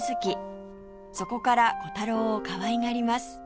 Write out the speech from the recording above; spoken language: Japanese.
そこからコタローをかわいがります